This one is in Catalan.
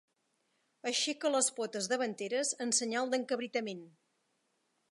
Aixeca les potes davanteres en senyal d'encabritament.